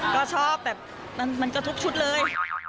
ก็ชอบแบบมันก็ทุกชุดเลย